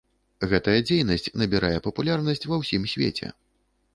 Гэтая дзейнасць набірае папулярнасць ва ўсім свеце.